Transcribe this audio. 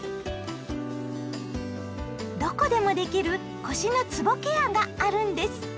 どこでもできる腰のつぼケアがあるんです！